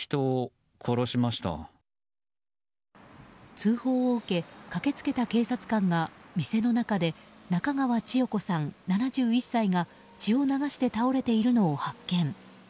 通報を受け駆けつけた警察官が店の中で中川千代子さん、７１歳が血を流して倒れているのを発見。